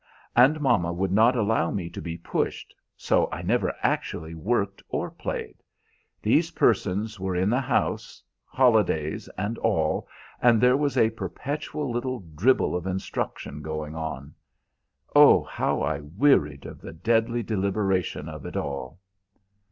And mama would not allow me to be pushed, so I never actually worked or played. These persons were in the house, holidays and all, and there was a perpetual little dribble of instruction going on. Oh, how I wearied of the deadly deliberation of it all!